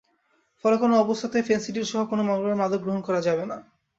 ফলে কোনো অবস্থাতে ফেনসিডিলসহ কোনো প্রকার মাদক গ্রহণ করা যাবে না।